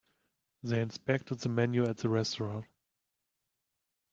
They inspected the menu at the restaurant.